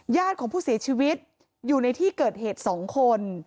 ญาติของผู้เสียชีวิตอยู่ในที่เกิดเหตุ๒คน